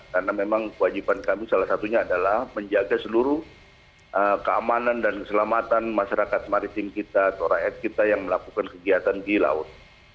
karena memang kewajiban kami salah satunya adalah menjaga seluruh keamanan dan keselamatan masyarakat maritim kita toraet kita yang melakukan kegiatan di laut